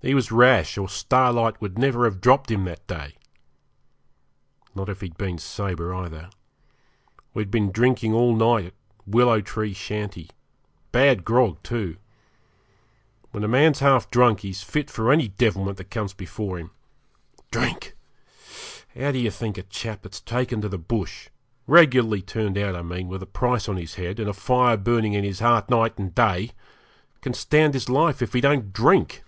He was rash, or Starlight would never have dropped him that day. Not if he'd been sober either. We'd been drinking all night at that Willow Tree shanty. Bad grog, too! When a man's half drunk he's fit for any devilment that comes before him. Drink! How do you think a chap that's taken to the bush regularly turned out, I mean, with a price on his head, and a fire burning in his heart night and day can stand his life if he don't drink?